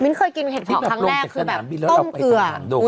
มิ้นเคยกินเห็ดผอดครั้งแรกคือแบบต้มเกลือ